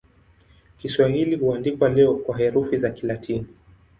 Kiswahili huandikwa leo kwa herufi za Kilatini.